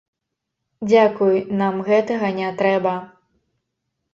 Дзякуй, нам гэтага не трэба!